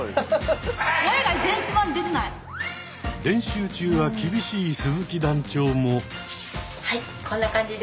練習中は厳しい鈴木団長も。